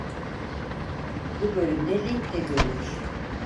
Bu bölümde Link de görünür.